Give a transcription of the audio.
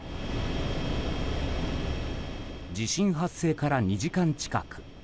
地震発生から２時間近く。